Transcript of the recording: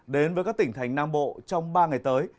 đến với các tỉnh thành nam bộ trong ba ngày tới